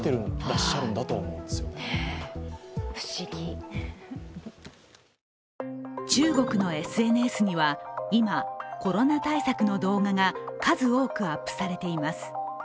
住職によりますと中国のＳＮＳには今、コロナ対策の動画が数多くアップされています。